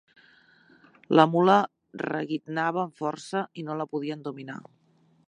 La mula reguitnava amb força i no la podíem dominar.